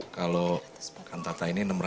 kalau kantata ini enam ratus